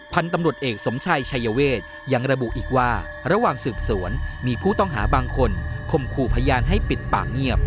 พันธุ์ตำรวจเอกสมชัยชัยเวทยังระบุอีกว่าระหว่างสืบสวนมีผู้ต้องหาบางคนคมขู่พยานให้ปิดปากเงียบ